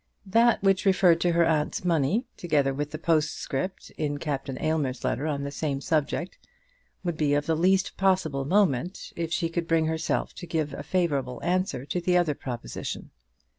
That which referred to her aunt's money, together with the postscript in Captain Aylmer's letter on the same subject, would be of the least possible moment if she could bring herself to give a favourable answer to the other proposition.